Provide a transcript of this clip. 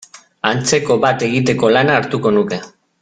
Antzeko bat egiteko lana hartuko nuke.